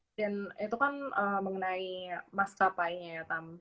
dan itu kan mengenai emas kapainya ya tam